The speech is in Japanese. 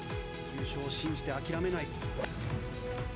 優勝を信じて諦めない。